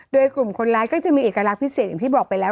โดยกลุ่มคนร้ายก็จะมีเอกลักษณ์พิเศษอย่างที่บอกไปแล้ว